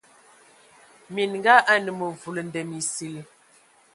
Minga anə məvul ndəm esil.